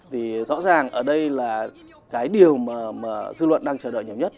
thì rõ ràng ở đây là cái điều mà dư luận đang chờ đợi nhiều nhất